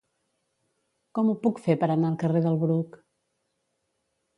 Com ho puc fer per anar al carrer del Bruc?